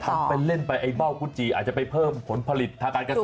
ถ้าเป็นเล่นไปไอ้เบ้ากุจจีอาจจะไปเพิ่มผลผลิตทางการเกษตร